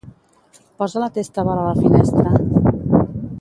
Posa la testa vora la finestra.